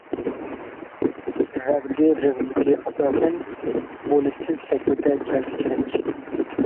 رەغدى-رىغبىتى، ئاساسەن بولۇشسىز شەكلىدە كەلسە كېرەك.